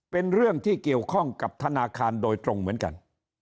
เป็นเรื่องที่เกี่ยวข้องกับธนาคารโดยตรงเหมือนกัน